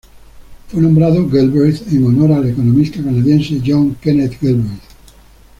Fue nombrado Galbraith en honor al economista canadiense John Kenneth Galbraith.